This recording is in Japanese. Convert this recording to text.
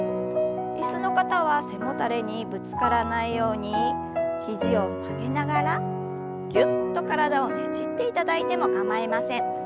椅子の方は背もたれにぶつからないように肘を曲げながらぎゅっと体をねじっていただいても構いません。